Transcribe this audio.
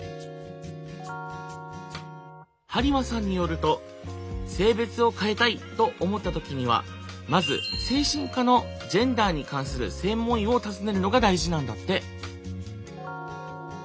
針間さんによると性別を変えたいと思った時にはまず精神科のジェンダーに関する専門医を訪ねるのが大事なんだって。